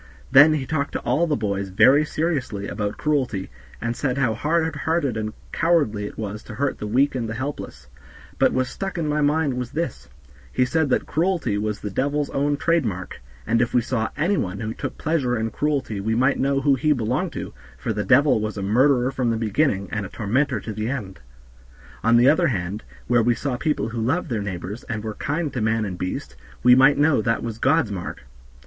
Then he talked to all the boys very seriously about cruelty, and said how hard hearted and cowardly it was to hurt the weak and the helpless; but what stuck in my mind was this, he said that cruelty was the devil's own trade mark, and if we saw any one who took pleasure in cruelty we might know who he belonged to, for the devil was a murderer from the beginning, and a tormentor to the end. On the other hand, where we saw people who loved their neighbors, and were kind to man and beast, we might know that was God's mark."